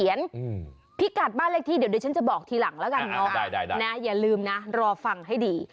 อย่าลืมนะรอฟังให้ดี